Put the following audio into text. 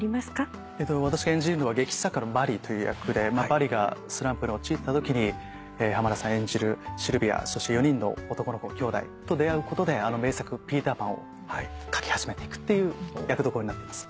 私が演じるのは劇作家のバリという役でバリがスランプに陥ったときに濱田さん演じるシルヴィアそして４人の男の子の兄弟と出会うことであの名作『ピーターパン』を書き始めていくっていう役どころになってます。